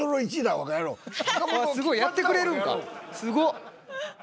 すごっ！